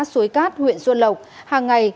xuối cát huyện xuân lộc hàng ngày